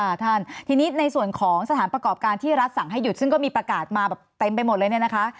ท่านทีนี้ในส่วนของสถานประกอบการที่รัฐสั่งให้หยุดซึ่งก็มีประกาศมาแบบเต็มไปหมดเลยเนี่ยนะคะ